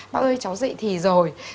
bác ơi cháu dậy thì rồi